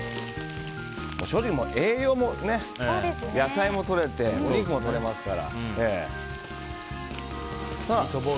正直、栄養も野菜もとれてお肉もとれますから。